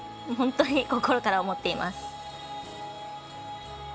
本当に心から思っています。